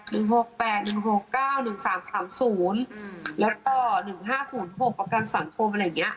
แล้วก็๑๕๐๖ประกันสังคมอะไรอย่างนี้